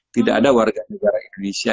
tidak ada warga negara indonesia